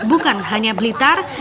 bukan hanya blitar